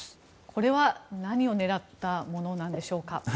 これは何を狙ったものなんでしょうか。